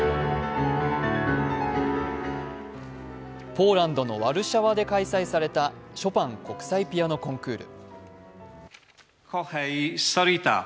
ポーランドのワルシャワで開催されたショパン国際ピアノコンクール。